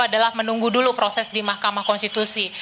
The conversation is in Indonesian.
adalah menunggu dulu proses di mahkamah konstitusi